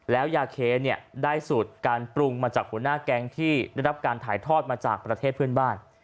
แล้วยาเคได้สูตรการปรุงมาจากหัวหน้าแก๊งที่ได้รับการถ่ายทอดมาจากประเทศเพื่อนบ้าน